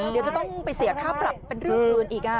เดี๋ยวต้องไปเสียฆ่าปรับคือ